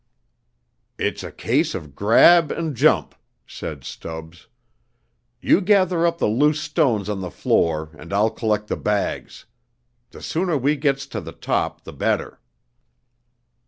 "It's a case of grab and jump," said Stubbs. "You gather up the loose stones on the floor and I'll collect the bags. The sooner we gets to the top, th' better."